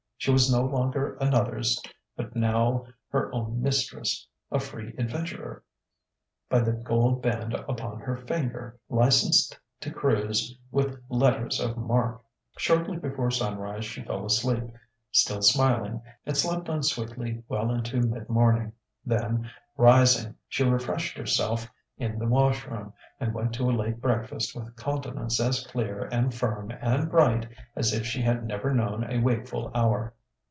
She was no longer another's but now her own mistress: a free adventurer, by the gold band upon her finger licensed to cruise with letters of marque. Shortly before sunrise she fell asleep, still smiling, and slept on sweetly well into mid morning. Then, rising, she refreshed herself in the wash room, and went to a late breakfast with countenance as clear and firm and bright as if she had never known a wakeful hour.